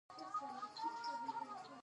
مړه ته د ښه برخلیک تمه کوو